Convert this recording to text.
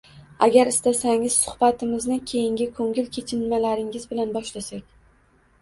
Agar istasangiz, suhbatimizni keyingi ko‘ngil kechinmalaringiz bilan boshlasak…